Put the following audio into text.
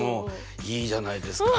いいじゃないですか。